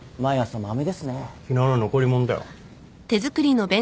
昨日の残り物だよ。